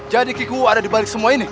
jadi kikowo ada di balik semua ini